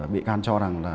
bị can cho rằng là